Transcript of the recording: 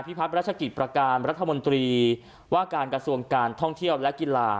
พัฒนราชกิจประการรัฐมนตรีว่าการกระทรวงการท่องเที่ยวและกีฬา